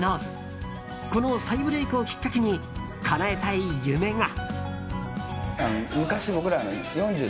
この再ブレークをきっかけにかなえたい夢が。